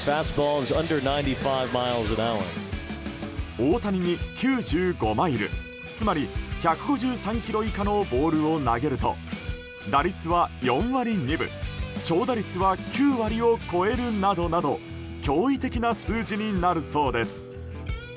大谷に９５マイルつまり１５３キロ以下のボールを投げると打率は４割２分長打率は９割を超えるなどなど驚異的な数字になるそうです。